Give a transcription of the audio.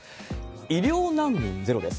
医療難民ゼロです。